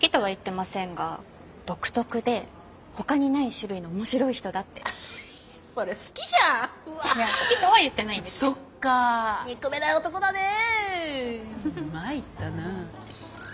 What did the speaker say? まいったな。